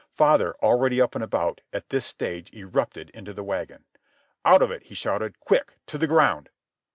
Father, already up and about, at this stage erupted into the wagon. "Out of it!" he shouted. "Quick! To the ground!"